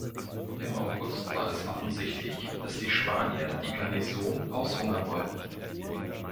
Im August war es offensichtlich, dass die Spanier die Garnison aushungern wollten.